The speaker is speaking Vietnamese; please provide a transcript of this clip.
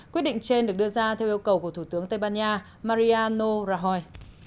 quyết định trên được đưa ra theo yêu cầu của thủ tướng tây ban nha mariano rahoi